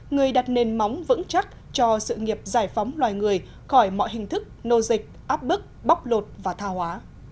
người đặt nền móng vững chắc cho sự nghiệp giải phóng loài người khỏi mọi hình thức nô dịch áp bức bóc lột và tha hóa